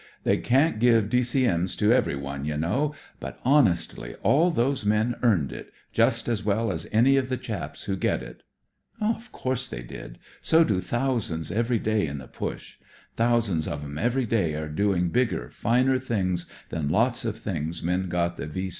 They can't give D.C.M.'s to everyone, you know ; but, honestly, all those men earned it, just as well as any of the chaps who get it." '* Of course they did. So do thousands every day in this Push. Thousands of 'em every day are doing bigger, finer things than lots of things men got the V.